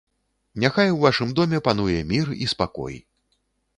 Няхай у вашым доме пануе мір і спакой.